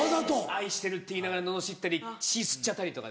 愛してるって言いながらののしったり血吸っちゃったり。